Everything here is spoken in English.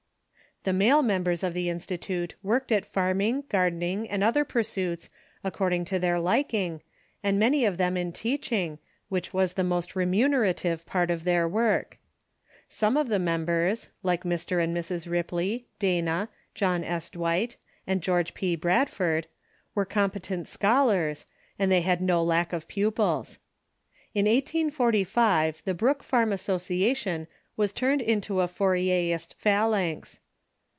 The male members of the institute worked at farming, gardening, and other pursuits, according to their liking, and many of them in teaching, which was the most remunerative part of their work. Some of the members, like Mr. and Mrs. Ripley, Dana, John S. Dwight, and George P. Bradford, were competent scliolars, and they had no lack of pupils. In 1845 the Brook Farm As sociation was turned into a Fourierist "phalanx."